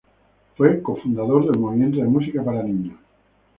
Fue co-fundador del Movimiento de Música para Niños.